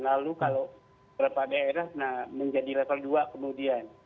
lalu kalau beberapa daerah menjadi level dua kemudian